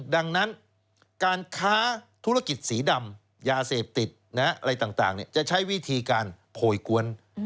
ดังนั้นการค้าธุรกิจสีดำยาเสพติดอะไรต่างจะใช้วิธีการโพยกวน